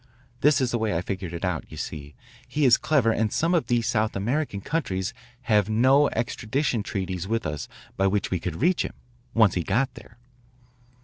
This is the way I figured it out. You see, he is clever and some of these South American countries have no extradition treaties with us by which we could reach him, once he got there."